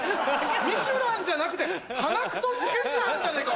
ミシュランじゃなくて鼻くそつけシュランじゃねえか。